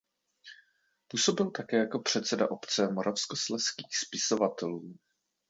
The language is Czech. Působil také jako předseda Obce moravskoslezských spisovatelů.